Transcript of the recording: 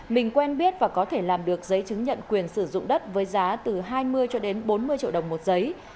mình quen biết và có thể làm được giấy chứng nhận quyền sử dụng đất với giá từ hai mươi cho đến bốn mươi triệu đồng một giấy